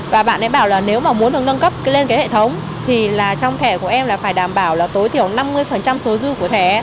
và bạn ấy bảo là nếu mà muốn hướng nâng cấp lên cái hệ thống thì là trong thẻ của em là phải đảm bảo là tối thiểu năm mươi số dư của thẻ